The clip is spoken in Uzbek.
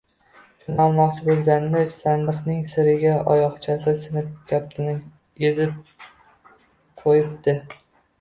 Shuni olmoqchi bo‘lganida, sandiqning chirigan oyoqchasi sinib, kaptini ezib qo‘yibdi